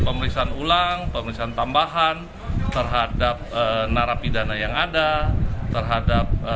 pemeriksaan ulang pemeriksaan tambahan terhadap narapidana yang ada terhadap